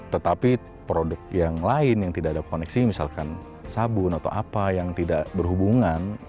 tetapi produk yang lain yang tidak ada koneksi misalkan sabun atau apa yang tidak berhubungan